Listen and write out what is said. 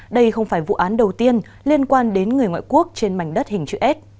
đây không phải vụ án đầu tiên liên quan đến người ngoại quốc trên mảnh đất hình chữ s